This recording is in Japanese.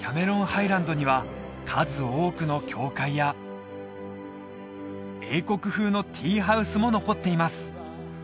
ハイランドには数多くの教会や英国風のティーハウスも残っています